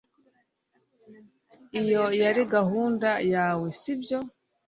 iyo yari gahunda yawe, sibyo